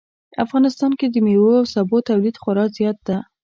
افغانستان کې د میوو او سبو تولید خورا زیات ده